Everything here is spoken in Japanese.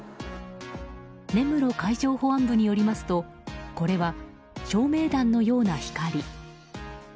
根室海上保安部によりますとこれは照明弾のような光。